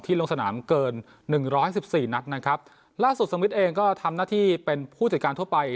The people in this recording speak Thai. ลงสนามเกินหนึ่งร้อยสิบสี่นัดนะครับล่าสุดสวิทย์เองก็ทำหน้าที่เป็นผู้จัดการทั่วไป